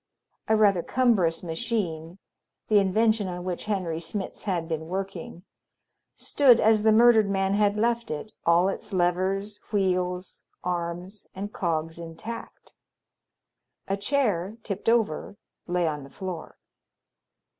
A rather cumbrous machine the invention on which Henry Smitz had been working stood as the murdered man had left it, all its levers, wheels, arms, and cogs intact. A chair, tipped over, lay on the floor.